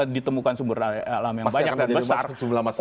ditemukan sumber alam yang banyak dan besar